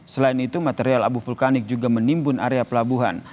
selain itu material abu vulkanik juga menimbun area pelabuhan